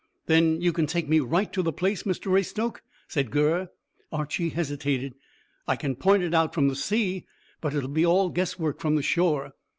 "Then you can take me right to the place, Mr Raystoke?" said Gurr. Archy hesitated. "I can point it out from the sea, but it will be all guess work from the shore."